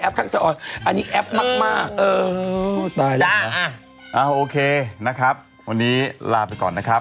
อ้าวโอเคนะครับวันนี้ลาไปก่อนนะครับ